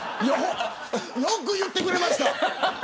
よく言ってくれました。